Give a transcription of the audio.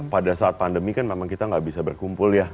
pada saat pandemi kan memang kita nggak bisa berkumpul ya